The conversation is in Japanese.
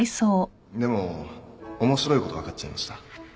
でも面白いこと分かっちゃいました